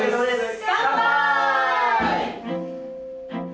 乾杯！